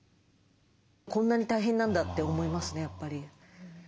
こんなに大変なんだって思いますねやっぱり。